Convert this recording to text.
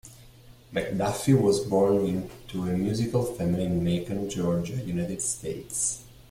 McDuffie was born into a musical family in Macon, Georgia, United States.